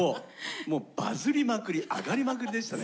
もうバズりまくりアガりまくりでしたね。